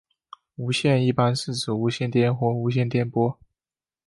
无线一般指的是无线电或无线电波。